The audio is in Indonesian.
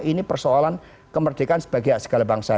ini persoalan kemerdekaan sebagai segala bangsa